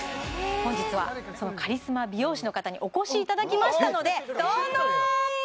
本日はそのカリスマ美容師の方にお越しいただきましたのでどうぞ！